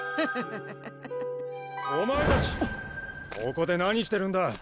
お前たちそこで何してるんだ？